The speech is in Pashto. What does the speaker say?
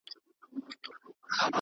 که بدلون راسي نو پرمختيا به هم وسي.